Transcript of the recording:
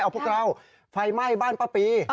เอาพวกเราไฟไหม้บ้านป้าปี